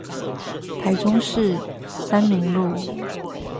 台中市三民路